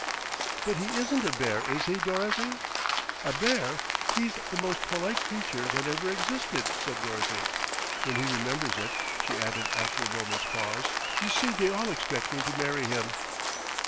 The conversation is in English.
"But he isn't a bear, is he, Dorothy?" "A bear? He's the most polite creature that ever existed," said Dorothy "when he remembers it," she added after a moment's pause. "You see they all expect me to marry him."